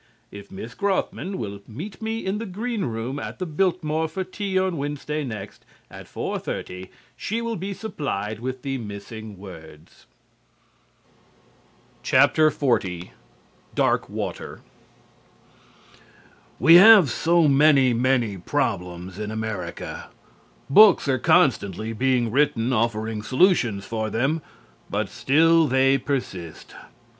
If Miss Grothman will meet me in the green room at the Biltmore for tea on Wednesday next at 4:30, she will be supplied with the missing words. XL "DARKWATER" We have so many, many problems in America. Books are constantly being written offering solutions for them, but still they persist.